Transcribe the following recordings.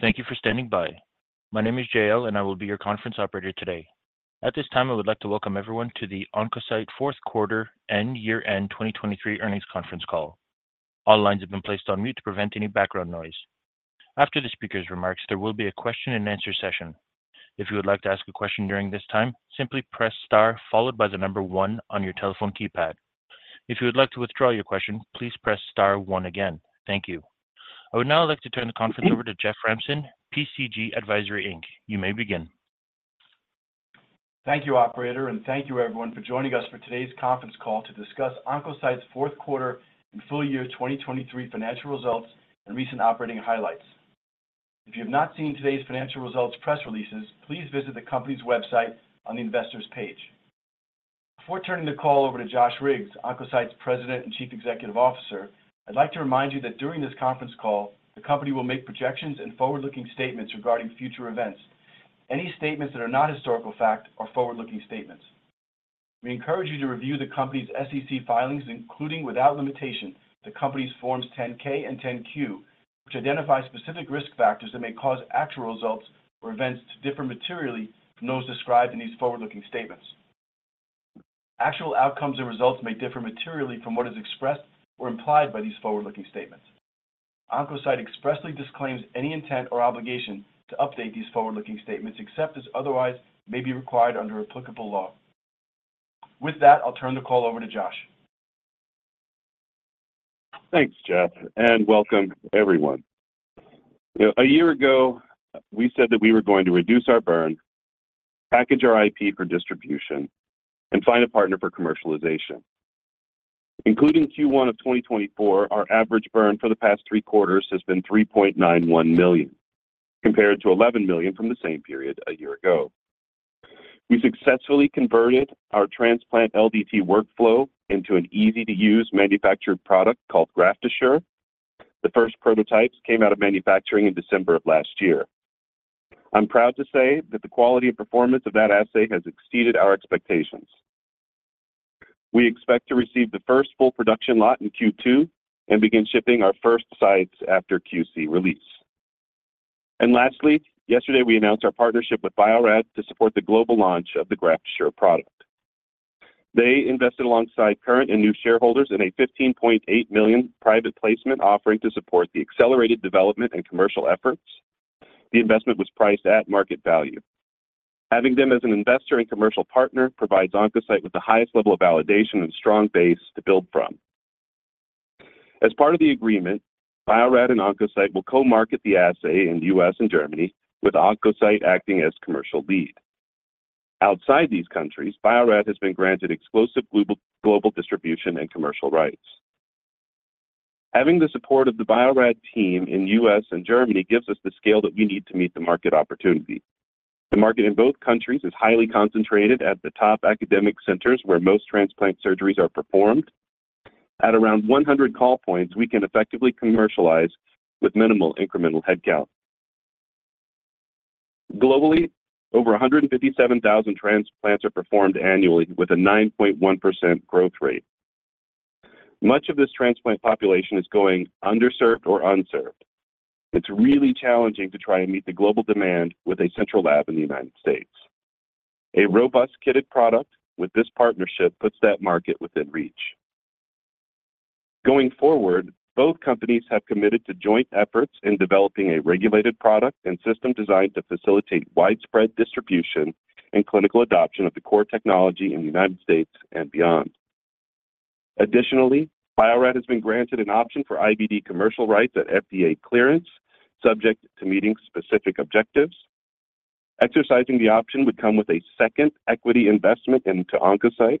Thank you for standing by. My name is J.L., and I will be your conference operator today. At this time, I would like to welcome everyone to the Oncocyte fourth quarter and year-end 2023 earnings conference call. All lines have been placed on mute to prevent any background noise. After the speaker's remarks, there will be a question-and-answer session. If you would like to ask a question during this time, simply press star followed by the number 1 on your telephone keypad. If you would like to withdraw your question, please press star 1 again. Thank you. I would now like to turn the conference over to Jeff Ramson, PCG Advisory, Inc. You may begin. Thank you, operator, and thank you, everyone, for joining us for today's conference call to discuss Oncocyte's fourth quarter and full year 2023 financial results and recent operating highlights. If you have not seen today's financial results press releases, please visit the company's website on the investor's page. Before turning the call over to Josh Riggs, Oncocyte's President and Chief Executive Officer, I'd like to remind you that during this conference call, the company will make projections and forward-looking statements regarding future events. Any statements that are not historical fact are forward-looking statements. We encourage you to review the company's SEC filings, including without limitation, the company's Forms 10-K and 10-Q, which identify specific risk factors that may cause actual results or events to differ materially from those described in these forward-looking statements. Actual outcomes and results may differ materially from what is expressed or implied by these forward-looking statements. Oncocyte expressly disclaims any intent or obligation to update these forward-looking statements except as otherwise may be required under applicable law. With that, I'll turn the call over to Josh. Thanks, Jeff, and welcome, everyone. A year ago, we said that we were going to reduce our burn, package our IP for distribution, and find a partner for commercialization. Including Q1 of 2024, our average burn for the past three quarters has been $3.91 million, compared to $11 million from the same period a year ago. We successfully converted our transplant LDT workflow into an easy-to-use manufactured product called GraftAssure. The first prototypes came out of manufacturing in December of last year. I'm proud to say that the quality and performance of that assay has exceeded our expectations. We expect to receive the first full production lot in Q2 and begin shipping our first sites after QC release. Lastly, yesterday we announced our partnership with Bio-Rad to support the global launch of the GraftAssure product. They invested alongside current and new shareholders in a $15.8 million private placement offering to support the accelerated development and commercial efforts. The investment was priced at market value. Having them as an investor and commercial partner provides Oncocyte with the highest level of validation and strong base to build from. As part of the agreement, Bio-Rad and Oncocyte will co-market the assay in the U.S. and Germany, with Oncocyte acting as commercial lead. Outside these countries, Bio-Rad has been granted exclusive global distribution and commercial rights. Having the support of the Bio-Rad team in the U.S. and Germany gives us the scale that we need to meet the market opportunity. The market in both countries is highly concentrated at the top academic centers where most transplant surgeries are performed. At around 100 call points, we can effectively commercialize with minimal incremental headcount. Globally, over 157,000 transplants are performed annually with a 9.1% growth rate. Much of this transplant population is going underserved or unserved. It's really challenging to try and meet the global demand with a central lab in the United States. A robust kitted product with this partnership puts that market within reach. Going forward, both companies have committed to joint efforts in developing a regulated product and system designed to facilitate widespread distribution and clinical adoption of the core technology in the United States and beyond. Additionally, Bio-Rad has been granted an option for IVD commercial rights at FDA clearance, subject to meeting specific objectives. Exercising the option would come with a second equity investment into Oncocyte.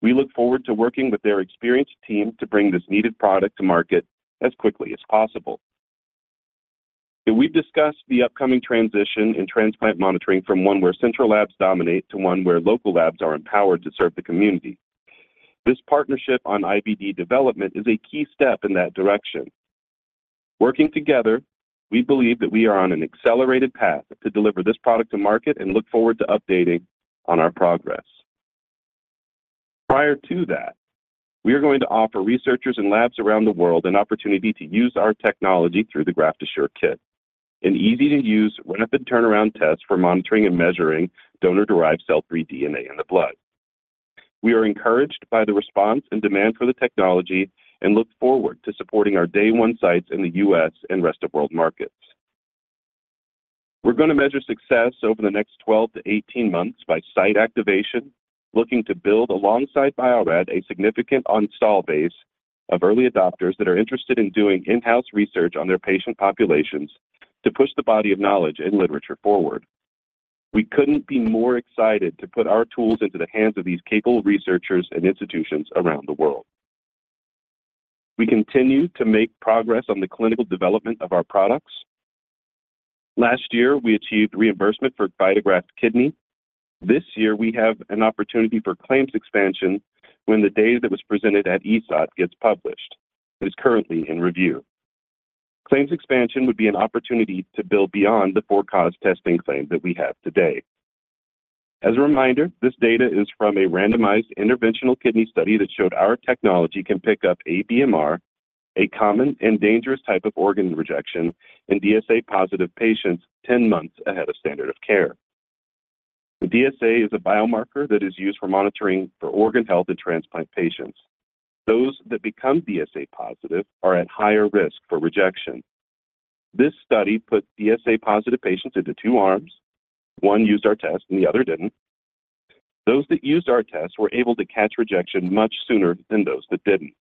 We look forward to working with their experienced team to bring this needed product to market as quickly as possible. We've discussed the upcoming transition in transplant monitoring from one where central labs dominate to one where local labs are empowered to serve the community. This partnership on IVD development is a key step in that direction. Working together, we believe that we are on an accelerated path to deliver this product to market and look forward to updating on our progress. Prior to that, we are going to offer researchers and labs around the world an opportunity to use our technology through the GraftAssure kit: an easy-to-use, rapid turnaround test for monitoring and measuring donor-derived cell-free DNA in the blood. We are encouraged by the response and demand for the technology and look forward to supporting our Day One sites in the U.S. and rest of world markets. We're going to measure success over the next 12-18 months by site activation, looking to build, alongside Bio-Rad, a significant install base of early adopters that are interested in doing in-house research on their patient populations to push the body of knowledge and literature forward. We couldn't be more excited to put our tools into the hands of these capable researchers and institutions around the world. We continue to make progress on the clinical development of our products. Last year, we achieved reimbursement for VitaGraft Kidney. This year, we have an opportunity for claims expansion when the data that was presented at ESOT gets published. It is currently in review. Claims expansion would be an opportunity to build beyond the for-cause testing claim that we have today. As a reminder, this data is from a randomized interventional kidney study that showed our technology can pick up ABMR, a common and dangerous type of organ rejection, in DSA-positive patients 10 months ahead of standard of care. The DSA is a biomarker that is used for monitoring for organ health in transplant patients. Those that become DSA-positive are at higher risk for rejection. This study put DSA-positive patients into two arms. One used our test, and the other didn't. Those that used our test were able to catch rejection much sooner than those that didn't.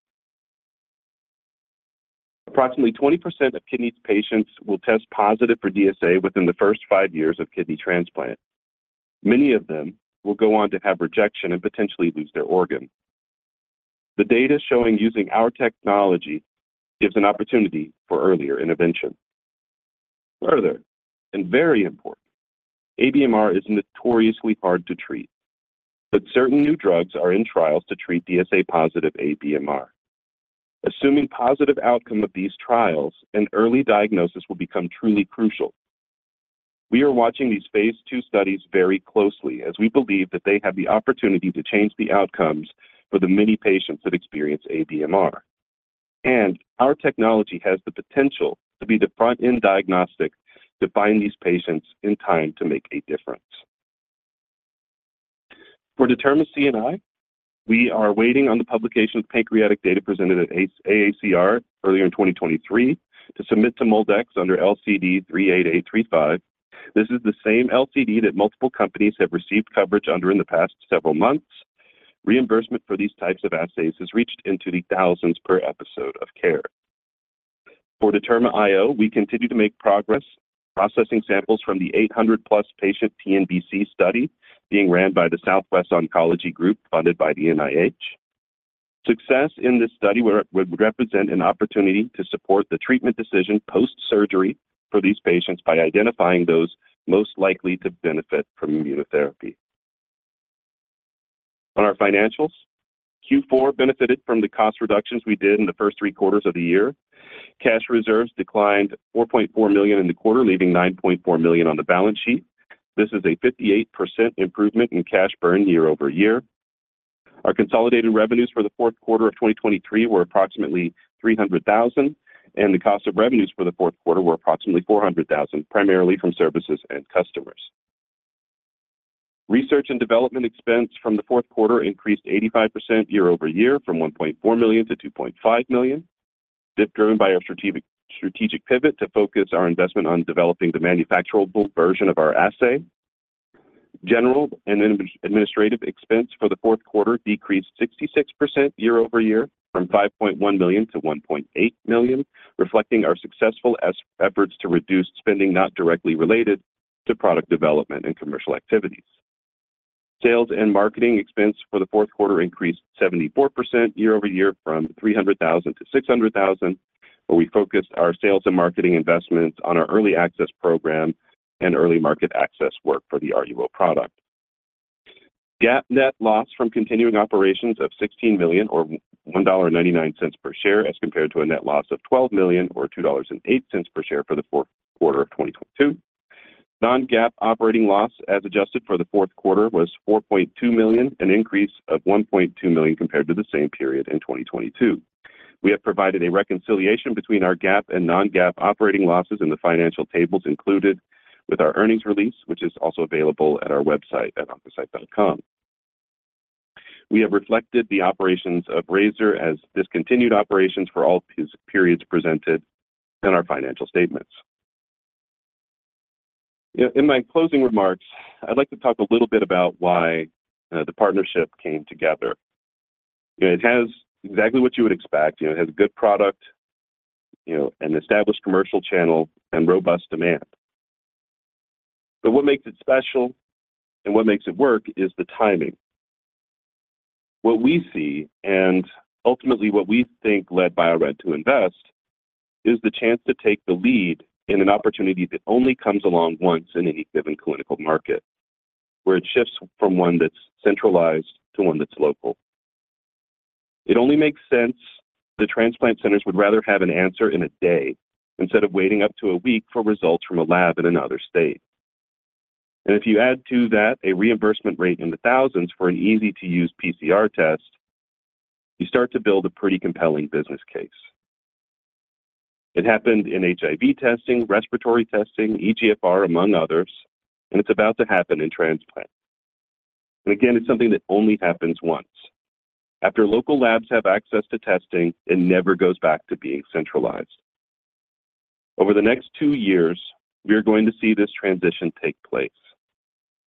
Approximately 20% of kidney patients will test positive for DSA within the first five years of kidney transplant. Many of them will go on to have rejection and potentially lose their organ. The data showing using our technology gives an opportunity for earlier intervention. Further, and very important, ABMR is notoriously hard to treat, but certain new drugs are in trials to treat DSA-positive ABMR. Assuming positive outcome of these trials and early diagnosis will become truly crucial. We are watching these phase II studies very closely as we believe that they have the opportunity to change the outcomes for the many patients that experience ABMR. And our technology has the potential to be the front-end diagnostic to find these patients in time to make a difference. For DetermaCNI, we are waiting on the publication of pancreatic data presented at AACR earlier in 2023 to submit to MolDX under LCD 38835. This is the same LCD that multiple companies have received coverage under in the past several months. Reimbursement for these types of assays has reached into the thousands of dollars per episode of care. For DetermaIO, we continue to make progress processing samples from the 800+ patient TNBC study being ran by the Southwest Oncology Group funded by the NIH. Success in this study would represent an opportunity to support the treatment decision post-surgery for these patients by identifying those most likely to benefit from immunotherapy. On our financials, Q4 benefited from the cost reductions we did in the first three quarters of the year. Cash reserves declined $4.4 million in the quarter, leaving $9.4 million on the balance sheet. This is a 58% improvement in cash burn year-over-year. Our consolidated revenues for the fourth quarter of 2023 were approximately $300,000, and the cost of revenues for the fourth quarter were approximately $400,000, primarily from services and customers. Research and development expense from the fourth quarter increased 85% year-over-year from $1.4 million to $2.5 million, driven by our strategic pivot to focus our investment on developing the manufacturable version of our assay. General and administrative expense for the fourth quarter decreased 66% year-over-year from $5.1 million to $1.8 million, reflecting our successful efforts to reduce spending not directly related to product development and commercial activities. Sales and marketing expense for the fourth quarter increased 74% year-over-year from $300,000 to $600,000, where we focused our sales and marketing investments on our early access program and early market access work for the RUO product. GAAP net loss from continuing operations of $16 million or $1.99 per share as compared to a net loss of $12 million or $2.08 per share for the fourth quarter of 2022. Non-GAAP operating loss as adjusted for the fourth quarter was $4.2 million, an increase of $1.2 million compared to the same period in 2022. We have provided a reconciliation between our GAAP and non-GAAP operating losses in the financial tables included with our earnings release, which is also available at our website at oncocyte.com. We have reflected the operations of Razor as discontinued operations for all periods presented in our financial statements. In my closing remarks, I'd like to talk a little bit about why the partnership came together. It has exactly what you would expect. It has a good product, an established commercial channel, and robust demand. But what makes it special and what makes it work is the timing. What we see and ultimately what we think led Bio-Rad to invest is the chance to take the lead in an opportunity that only comes along once in any given clinical market, where it shifts from one that's centralized to one that's local. It only makes sense the transplant centers would rather have an answer in a day instead of waiting up to a week for results from a lab in another state. And if you add to that a reimbursement rate in the thousands for an easy-to-use PCR test, you start to build a pretty compelling business case. It happened in HIV testing, respiratory testing, eGFR, among others, and it's about to happen in transplant. And again, it's something that only happens once. After local labs have access to testing, it never goes back to being centralized. Over the next two years, we are going to see this transition take place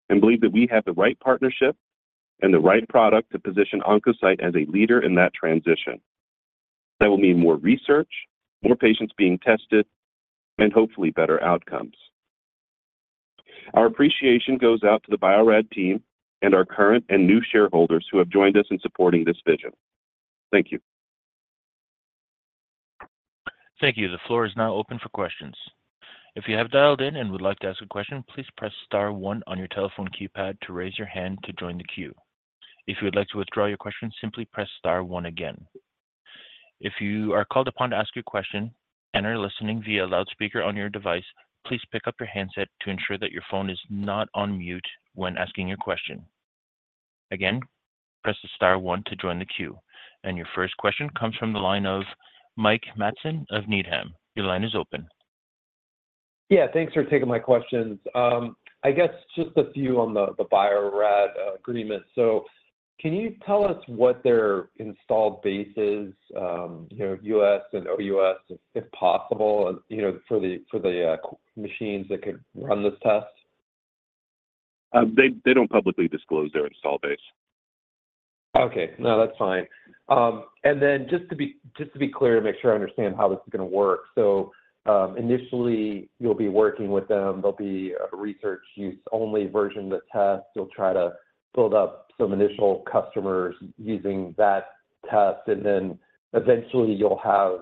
and believe that we have the right partnership and the right product to position Oncocyte as a leader in that transition. That will mean more research, more patients being tested, and hopefully better outcomes. Our appreciation goes out to the Bio-Rad team and our current and new shareholders who have joined us in supporting this vision. Thank you. Thank you. The floor is now open for questions. If you have dialed in and would like to ask a question, please press star one on your telephone keypad to raise your hand to join the queue. If you would like to withdraw your question, simply press star one again. If you are called upon to ask your question and are listening via loudspeaker on your device, please pick up your handset to ensure that your phone is not on mute when asking your question. Again, press the star one to join the queue. Your first question comes from the line of Mike Matson of Needham. Your line is open. Yeah. Thanks for taking my questions. I guess just a few on the Bio-Rad agreement. So can you tell us what their installed base is, U.S. and OUS if possible, for the machines that could run this test? They don't publicly disclose their installed base. Okay. No, that's fine. And then just to be clear and make sure I understand how this is going to work, so initially, you'll be working with them. There'll be a research-use-only version of the test. You'll try to build up some initial customers using that test. And then eventually, you'll have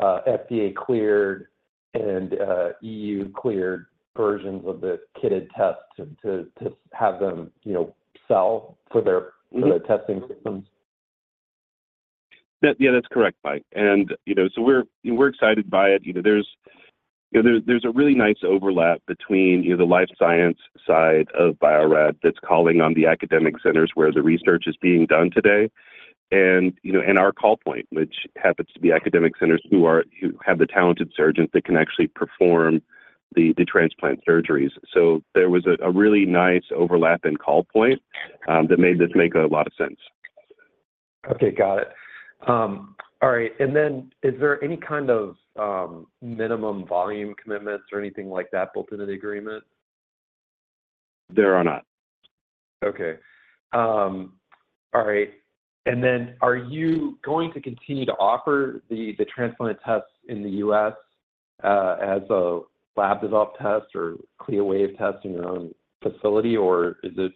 FDA-cleared and EU-cleared versions of the kitted test to have them sell for their testing systems. Yeah, that's correct, Mike. And so we're excited by it. There's a really nice overlap between the life science side of Bio-Rad that's calling on the academic centers where the research is being done today and our call point, which happens to be academic centers who have the talented surgeons that can actually perform the transplant surgeries. So there was a really nice overlap in call point that made this make a lot of sense. Okay. Got it. All right. And then is there any kind of minimum volume commitments or anything like that built into the agreement? There are not. Okay. All right. And then are you going to continue to offer the transplant tests in the U.S. as a lab-developed test or CLIA-waived test in your own facility, or is it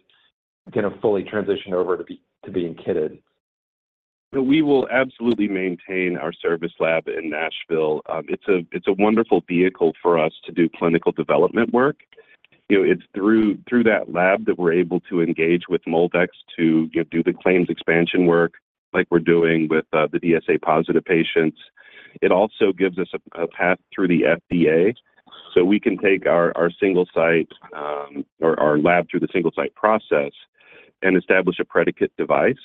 going to fully transition over to being kitted? We will absolutely maintain our service lab in Nashville. It's a wonderful vehicle for us to do clinical development work. It's through that lab that we're able to engage with MolDX to do the claims expansion work like we're doing with the DSA-positive patients. It also gives us a path through the FDA. So we can take our single site or our lab through the single site process and establish a predicate device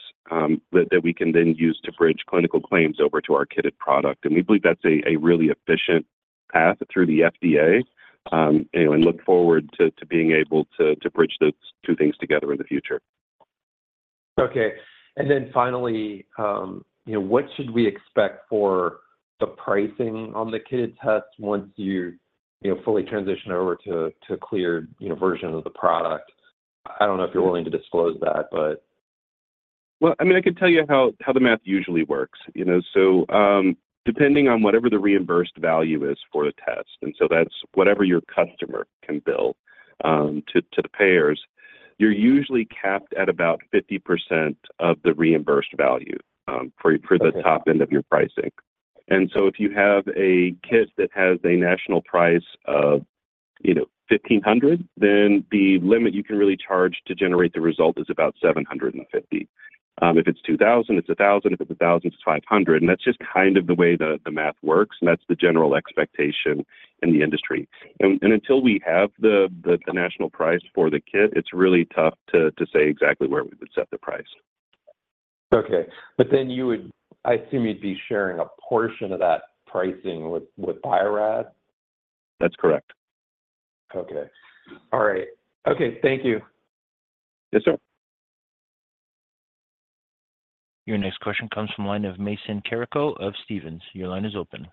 that we can then use to bridge clinical claims over to our kitted product. And we believe that's a really efficient path through the FDA and look forward to being able to bridge those two things together in the future. Okay. And then finally, what should we expect for the pricing on the kitted test once you fully transition over to a cleared version of the product? I don't know if you're willing to disclose that, but. Well, I mean, I can tell you how the math usually works. So depending on whatever the reimbursed value is for the test - and so that's whatever your customer can bill to the payers - you're usually capped at about 50% of the reimbursed value for the top end of your pricing. And so if you have a kit that has a national price of $1,500, then the limit you can really charge to generate the result is about $750. If it's $2,000, it's $1,000. If it's $1,000, it's $500. And that's just kind of the way the math works. And that's the general expectation in the industry. And until we have the national price for the kit, it's really tough to say exactly where we would set the price. Okay. But then I assume you'd be sharing a portion of that pricing with Bio-Rad? That's correct. Okay. All right. Okay. Thank you. Yes, sir. Your next question comes from the line of Mason Carrico of Stephens. Your line is open.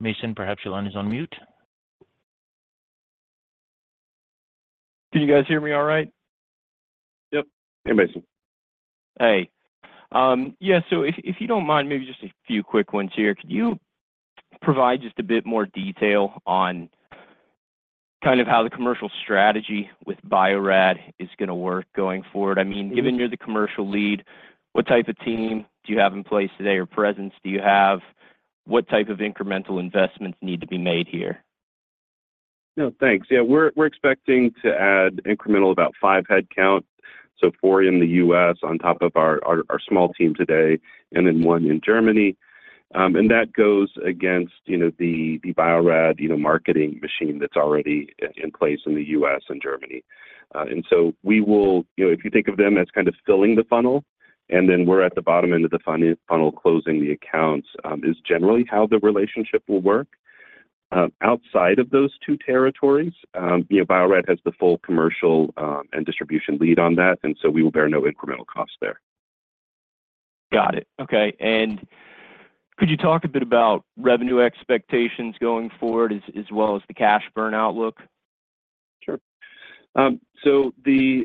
Mason, perhaps your line is on mute. Can you guys hear me all right? Yep. Hey, Mason. Hey. Yeah. If you don't mind, maybe just a few quick ones here. Could you provide just a bit more detail on kind of how the commercial strategy with Bio-Rad is going to work going forward? I mean, given you're the commercial lead, what type of team do you have in place today or presence do you have? What type of incremental investments need to be made here? No. Thanks. Yeah. We're expecting to add incremental about 5 headcount, so 4 in the U.S. on top of our small team today and then 1 in Germany. That goes against the Bio-Rad marketing machine that's already in place in the U.S. and Germany. So we will, if you think of them as kind of filling the funnel and then we're at the bottom end of the funnel closing the accounts, is generally how the relationship will work. Outside of those two territories, Bio-Rad has the full commercial and distribution lead on that. So we will bear no incremental costs there. Got it. Okay. Could you talk a bit about revenue expectations going forward as well as the cash burn outlook? Sure. So it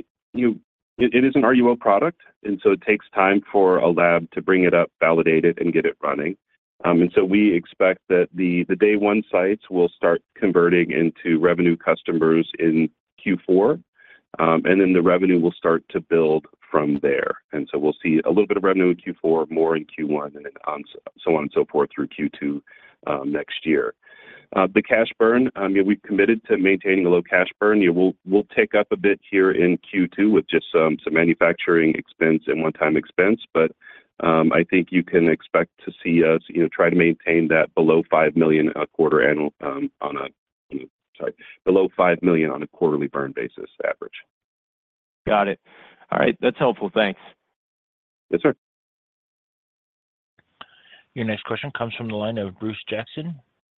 is an RUO product, and so it takes time for a lab to bring it up, validate it, and get it running. And so we expect that the Day One sites will start converting into revenue customers in Q4, and then the revenue will start to build from there. And so we'll see a little bit of revenue in Q4, more in Q1, and then so on and so forth through Q2 next year. The cash burn, we've committed to maintaining a low cash burn. We'll tick up a bit here in Q2 with just some manufacturing expense and one-time expense. But I think you can expect to see us try to maintain that below $5 million on a quarterly burn basis average. Got it. All right. That's helpful. Thanks. Yes, sir. Your next question comes from the line of Bruce Jackson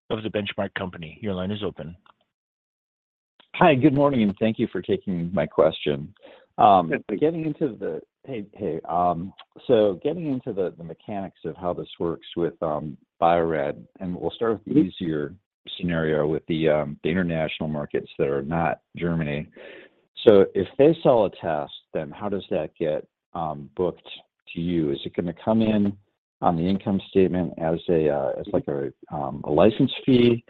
of The Benchmark Company. Your line is open. Hi. Good morning. Thank you for taking my question. Getting into the mechanics of how this works with Bio-Rad and we'll start with the easier scenario with the international markets that are not Germany. So if they sell a test, then how does that get booked to you? Is it going to come in on the income statement as a license fee,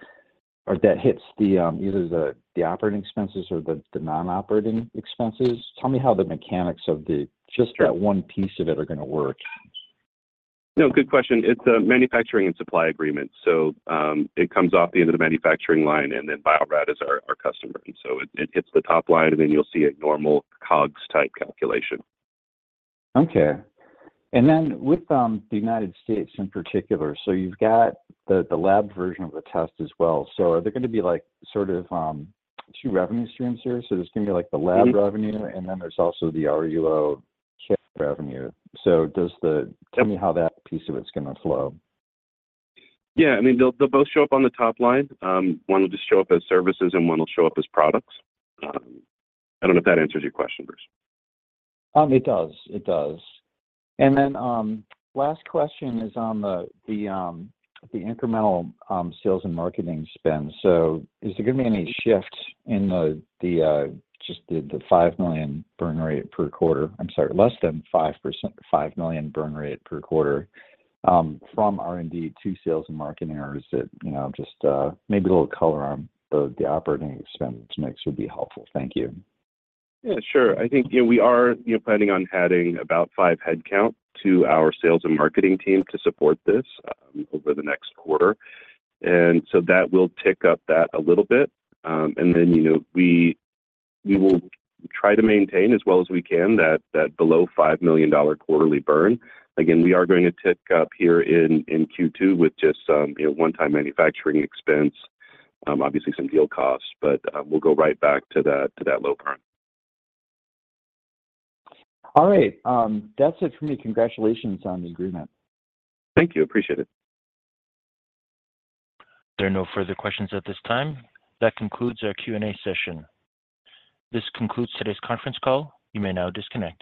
or that hits either the operating expenses or the non-operating expenses? Tell me how the mechanics of just that one piece of it are going to work. No. Good question. It's a manufacturing and supply agreement. So it comes off the end of the manufacturing line, and then Bio-Rad is our customer. And so it hits the top line, and then you'll see a normal COGS-type calculation. Okay. And then with the United States in particular, so you've got the lab version of the test as well. So are there going to be sort of two revenue streams here? So there's going to be the lab revenue, and then there's also the RUO kit revenue. So tell me how that piece of it's going to flow. Yeah. I mean, they'll both show up on the top line. One will just show up as services, and one will show up as products. I don't know if that answers your question, Bruce. It does. It does. And then last question is on the incremental sales and marketing spend. So is there going to be any shift in just the $5 million burn rate per quarter? I'm sorry, less than $5 million burn rate per quarter from R&D to sales and marketing, or is it just maybe a little color on the operating expense mix would be helpful? Thank you. Yeah. Sure. I think we are planning on adding about 5 headcount to our sales and marketing team to support this over the next quarter. And so that will tick up that a little bit. And then we will try to maintain as well as we can that below $5 million quarterly burn. Again, we are going to tick up here in Q2 with just one-time manufacturing expense, obviously some deal costs, but we'll go right back to that low burn. All right. That's it for me. Congratulations on the agreement. Thank you. Appreciate it. There are no further questions at this time. That concludes our Q&A session. This concludes today's conference call. You may now disconnect.